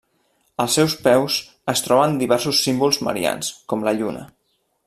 Als seus peus es troben diversos símbols marians, com la lluna.